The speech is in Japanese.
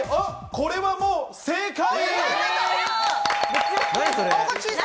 これはもう正解！